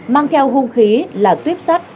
mang theo hung khí là tuyếp sắt